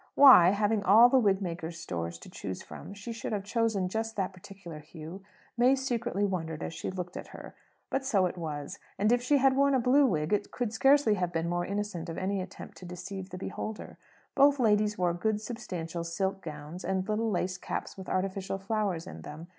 Why, having all the wigmaker's stores to choose from, she should have chosen just that particular hue, May secretly wondered as she looked at her. But so it was. And if she had worn a blue wig, it could scarcely have been more innocent of any attempt to deceive the beholder. Both ladies wore good substantial silk gowns, and little lace caps with artificial flowers in them.